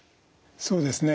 そうですね。